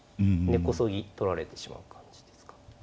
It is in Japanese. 根こそぎ取られてしまう感じですか。